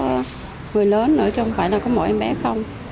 mấy cái dịch sởi này là có người lớn nữa chứ không phải là có mỗi em bé không